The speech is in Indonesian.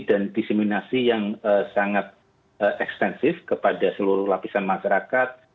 dan diseminasi yang sangat ekstensif kepada seluruh lapisan masyarakat